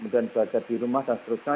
dan belajar di rumah dan seterusnya